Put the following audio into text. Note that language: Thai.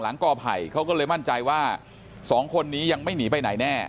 กอไผ่เขาก็เลยมั่นใจว่าสองคนนี้ยังไม่หนีไปไหนแน่